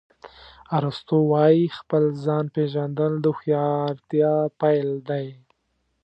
ارسطو وایي خپل ځان پېژندل د هوښیارتیا پیل دی.